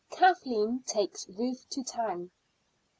KATHLEEN TAKES RUTH TO TOWN.